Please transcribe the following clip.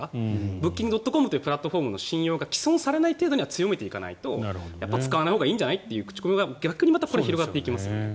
ブッキングドットコムというプラットフォームの信用が毀損されない程度には強めていかないと使わないほうがいいんじゃないという口コミが広がっていきますよね。